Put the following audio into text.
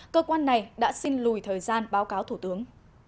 cơ quan này đã xin lùi thời gian báo cáo thủ tướng